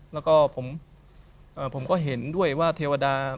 แล้วก็ผมก็เห็นด้วยว่าเทวดา